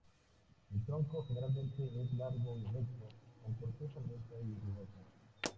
El tronco generalmente es largo y recto, con corteza gruesa y rugosa.